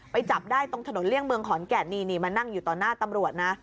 จับได้ตรงถนนเลี่ยงเมืองขอนแก่นนี่มานั่งอยู่ต่อหน้าตำรวจนะ